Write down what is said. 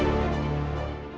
aku mau jadi pria